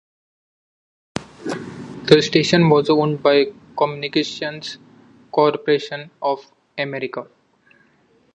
The station was owned by Communications Corporation of America.